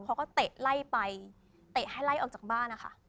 เขาก็เตะไล่ไปเตะให้ไล่ออกจากบ้านนะคะ